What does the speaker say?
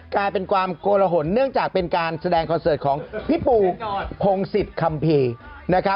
กลายเป็นความโกลหนเนื่องจากเป็นการแสดงคอนเสิร์ตของพี่ปูพงศิษย์คัมภีร์